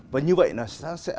và như vậy là sẽ